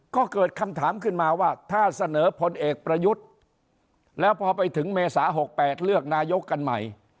ก็เกิดคำถามขึ้นมาว่าถ้าเสนอพลเอกประยุทธ์แล้วพอไปถึงเมษา๖๘เลือกนายกกันใหม่